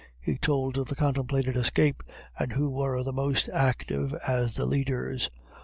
He told of the contemplated escape, and who were the most active as the leaders.